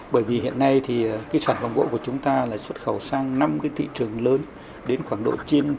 bởi vì hiện nay thì cái sản phẩm gỗ của chúng ta là xuất khẩu sang năm cái thị trường lớn đến khoảng độ chín mươi